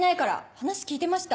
話聞いてました？